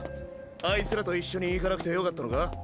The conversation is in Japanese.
あいつらと一緒に行かなくてよかったのか？